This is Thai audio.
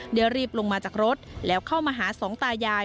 ได้รีบลงมาจากรถแล้วเข้ามาหาสองตายาย